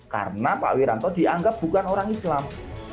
karena pak wiranto dianggap bukan orang islam